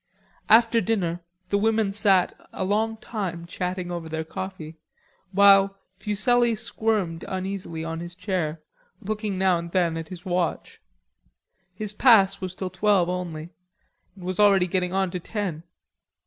After dinner the women sat a long time chatting over their coffee, while Fuselli squirmed uneasily on his chair, looking now and then at his watch. His pass was till twelve only; it was already getting on to ten.